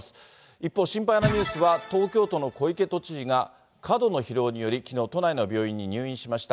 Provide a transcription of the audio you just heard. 一方、心配なニュースは、東京都の小池都知事が、過度の疲労により、きのう、都内の病院に入院しました。